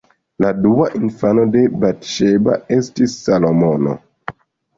La dua infano de Bat-Ŝeba estis Salomono.